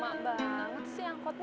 lama banget sih angkotnya